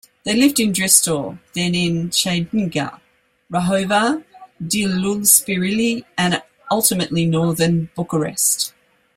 They lived in Dristor, then in Chiajna, Rahova, Dealul Spirii and ultimately northern Bucharest.